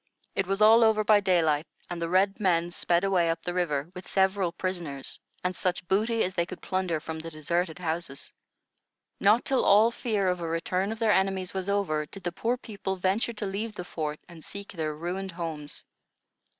It was all over by daylight, and the red men sped away up the river, with several prisoners, and such booty as they could plunder from the deserted houses. Not till all fear of a return of their enemies was over, did the poor people venture to leave the fort and seek their ruined homes.